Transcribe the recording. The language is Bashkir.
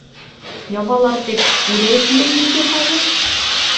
Ябалар тип, үләйекме инде хәҙер?